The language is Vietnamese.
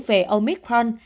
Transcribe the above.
về biến thể omicron